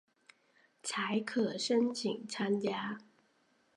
才可申请参加